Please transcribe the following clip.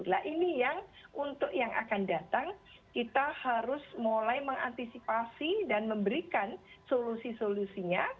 nah ini yang untuk yang akan datang kita harus mulai mengantisipasi dan memberikan solusi solusinya